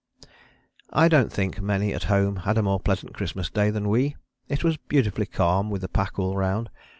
I don't think many at home had a more pleasant Christmas Day than we. It was beautifully calm with the pack all round.